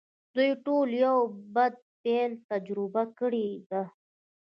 دوی ټولو یو بد پیل تجربه کړی دی